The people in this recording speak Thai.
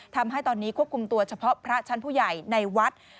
ทำให้ตอนนี้ควบคุมตัวเฉพาะพระชั้นผู้ใหญ่ในวัด